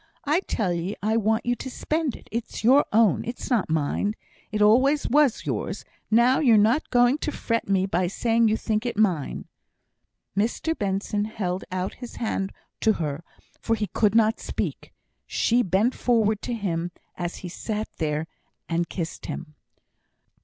I tell ye I want ye to spend it. It's your own. It's not mine. It always was yours. Now you're not going to fret me by saying you think it mine." Mr Benson held out his hand to her, for he could not speak. She bent forward to him as he sat there, and kissed him.